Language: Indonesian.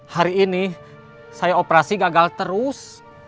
hari ini saya operasi gagal terus